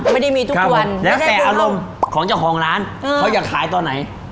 ไม่ได้มีทุกวันแล้วแต่อารมณ์ของเจ้าของร้านเขาจะขายตอนไหน